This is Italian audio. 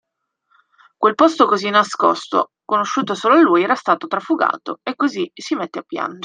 Quel posto così nascosto, conosciuto solo a lui, era stato trafugato e, così, si mette a piangere.